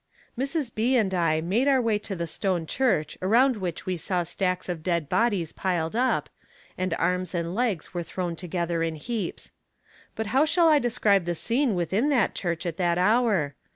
Mrs. B. and I made our way to the stone church around which we saw stacks of dead bodies piled up, and arms and legs were thrown together in heaps. But how shall I describe the scene within the church at that hour.